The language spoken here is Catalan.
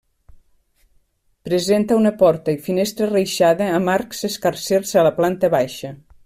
Presenta una porta i finestra reixada amb arcs escarsers a la planta baixa.